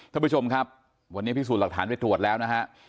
ท่านผู้ชมครับวันนี้พิสูจน์หลักฐานไปตรวจแล้วนะฮะ